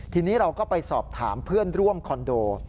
ทีนี้เราก็ไปสอบถามเพื่อนร่วมคอนโด